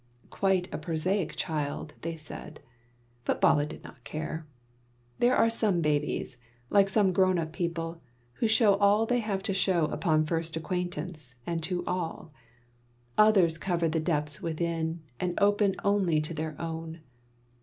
"Quite a prosaic child," they said; but Bala did not care. There are some babies, like some grown up people, who show all they have to show upon first acquaintance and to all. Others cover the depths within, and open only to their own.